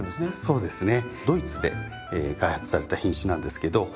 そうですね。